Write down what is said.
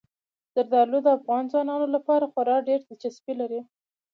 زردالو د افغان ځوانانو لپاره خورا ډېره دلچسپي لري.